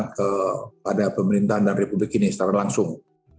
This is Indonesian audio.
kepada pemerintahan dan republik ini secara langsung